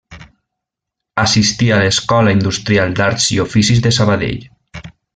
Assistí a l'Escola Industrial d'Arts i Oficis de Sabadell.